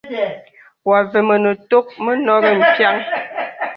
Vὰ àvə mə tòk mə nòrí mpiàŋ.